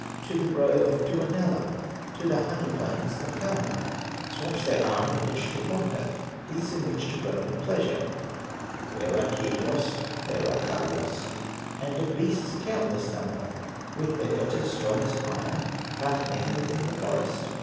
To the grove of Tuonela, To the honey plains of Kalma, Swamps there are in which to wander, Heaths in which to roam at pleasure, There are Kiryos, there are Karyos, And of beasts a countless number, With their fetters strong as iron, Fattening within the forest.